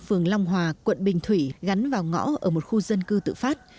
phường long hòa quận bình thủy gắn vào ngõ ở một khu dân cư tự phát